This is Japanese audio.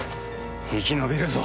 生き延びるぞ！